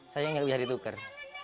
saya yang bisa ditukar